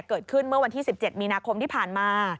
เกิดขึ้นเมื่อวันที่๑๗มีนาคมที่ผ่านมา